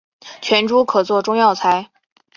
全株可做中药材。